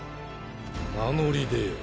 名乗り出よ。